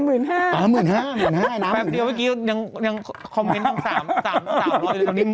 แป๊บเดียวเมื่อกี้ยังคอมเม้นต์ตั้ง๓๐๐